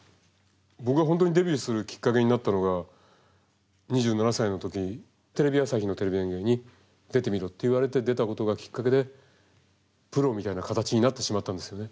僕が本当にデビューするきっかけになったのが２７歳の時テレビ朝日の「テレビ演芸」に出てみろって言われて出たことがきっかけでプロみたいな形になってしまったんですよね。